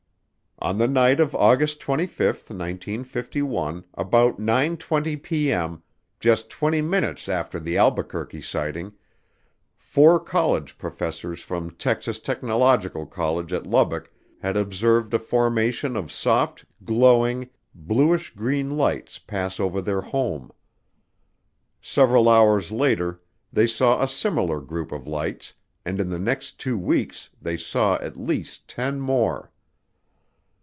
On the night of August 25, 1951, about 9:20P.M., just twenty minutes after the Albuquerque sighting, four college professors from Texas Technological College at Lubbock had observed a formation of soft, glowing, bluish green lights pass over their home. Several hours later they saw a similar group of lights and in the next two weeks they saw at least ten more.